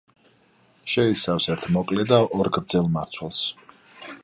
შეიცავს ერთ მოკლე და ორ გრძელ მარცვალს.